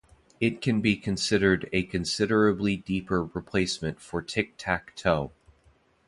It can be considered a considerably deeper replacement for Tic-Tac-Toe.